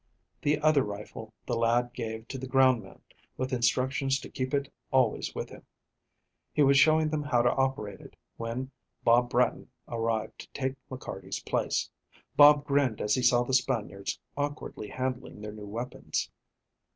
The other rifle the lad gave to the ground man, with instructions to keep it always with him. He was showing them how to operate it, when Bob Bratton arrived to take McCarty's place. Bob grinned as he saw the Spaniards awkwardly handling their new weapons.